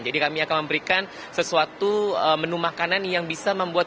jadi kami akan memberikan sesuatu menu makanan yang bisa membuat